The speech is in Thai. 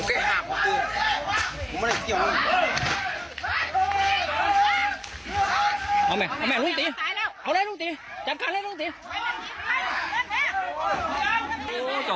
เอาแม่เอาแม่รุ้งตีเอาแม่รุ้งตีจัดการแม่รุ้งตี